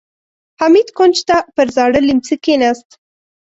حميد کونج ته پر زاړه ليمڅي کېناست.